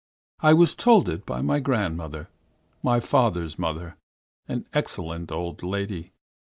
"I was told it by my grandmother, my father's mother, an excellent old lady.